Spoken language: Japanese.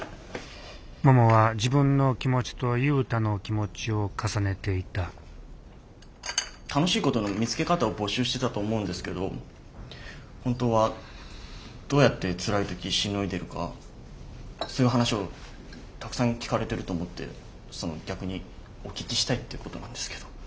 ももは自分の気持ちと雄太の気持ちを重ねていた楽しいことの見つけ方を募集してたと思うんですけど本当はどうやってつらい時しのいでるかそういう話をたくさん聞かれてると思ってその逆にお聞きしたいっていうことなんですけど。